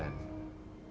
itu yang dokter mengatakan